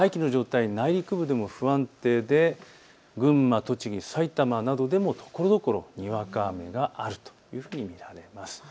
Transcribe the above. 大気の状態、内陸部でも不安定で群馬、栃木、埼玉などでもところどころにわか雨があるというふうに見られます。